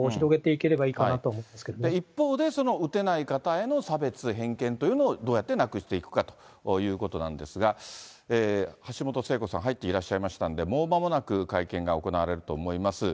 けれ一方で、打てない方への差別、偏見というのをどうやってなくしていくかということなんですが、橋本聖子さん、入っていらっしゃいましたので、もうまもなく会見が行われると思います。